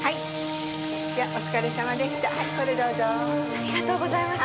ありがとうございます。